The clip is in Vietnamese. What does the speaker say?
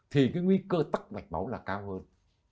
thì cái nguy cơ tắc mạch máu là cao hơn